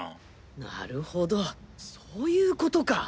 なるほどそういうことか！